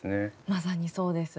まさにそうです。